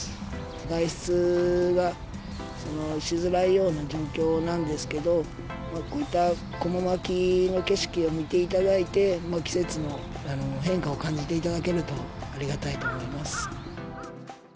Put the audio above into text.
外出がしづらいような状況なんですけど、こういったこも巻きの景色を見ていただいて、季節の変化を感じていただけるとありがたいと思います。